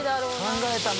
「考えたね」